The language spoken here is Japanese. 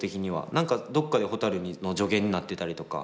何かどっかでほたるの助言になってたりとか